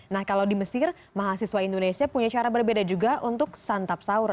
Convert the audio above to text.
nah kalau di mesir mahasiswa indonesia punya cara berbeda juga untuk santap sahur